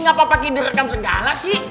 gapapa kiki rekam segala sih